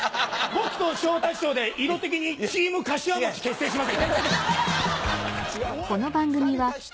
僕と昇太師匠で色的にチームかしわ餅結成します！